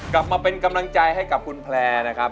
กลับมาเป็นกำลังใจให้กับคุณแพลร์นะครับ